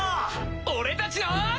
俺たちの。